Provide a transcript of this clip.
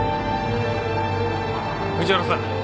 藤原さん！